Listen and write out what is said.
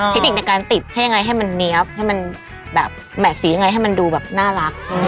เทคนิคในการติดให้ยังไงให้มันเนี๊ยบให้มันแบบแมทสียังไงให้มันดูแบบน่ารัก